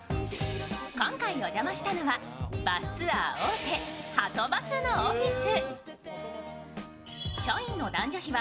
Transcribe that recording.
今回お邪魔したのは、バスツアー大手はとバスのオフィス。